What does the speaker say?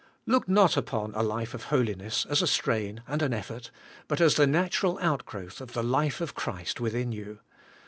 Look not upon a life of holiness as a strain and an effort, but as the natural outgrowth of the life of Christ within you.